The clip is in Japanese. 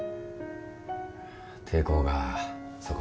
抵抗がそこまで？